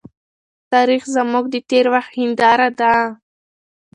تاريخ زموږ د تېر وخت هنداره ده.